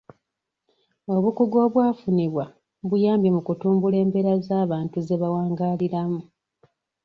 Obukugu obwafunibwa buyambye mu kutumbula embeera z'abantu ze bawangaaliramu.